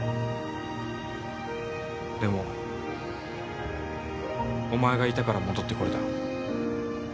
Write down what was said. でもお前がいたから戻ってこれた。